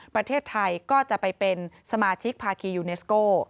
ประเทศไทยก็จะไปเป็นสมาชิกภาคียูเนสโก